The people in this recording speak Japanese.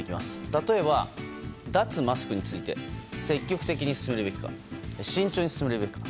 例えば、脱マスクについて積極的に進めるべきか慎重に進めるべきか。